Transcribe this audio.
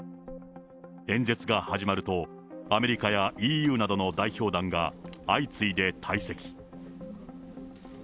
演説が始まると、アメリカやＥＵなどの代表団が相次いで退席。